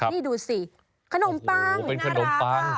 นี่ดูสิขนมปังน่ารักค่ะ